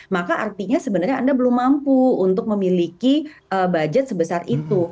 maka artinya sebenarnya anda belum mampu untuk memiliki budget sebesar itu